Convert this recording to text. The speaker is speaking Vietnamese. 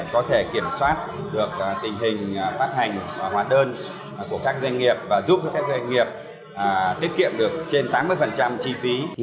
cơ quan thuế có thể kiểm soát được tình hình phát hành hóa đơn của các doanh nghiệp và giúp các doanh nghiệp tiết kiệm được trên tám mươi chi phí